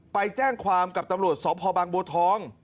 ไปแจ้งความกับตำรวจสพบางบัวทอง